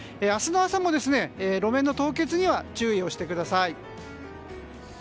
明日の朝も路面の凍結には注意をしてください。